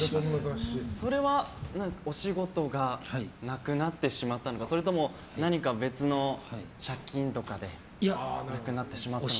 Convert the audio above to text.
それはお仕事がなくなってしまったのかそれとも、何か別の借金とかでなくなってしまったのか。